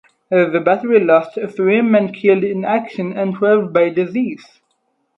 The battery lost three men killed in action and twelve by disease.